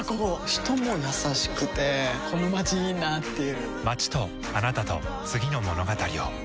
人も優しくてこのまちいいなぁっていう